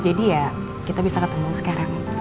jadi ya kita bisa ketemu sekarang